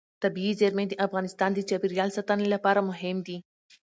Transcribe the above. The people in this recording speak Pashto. طبیعي زیرمې د افغانستان د چاپیریال ساتنې لپاره مهم دي.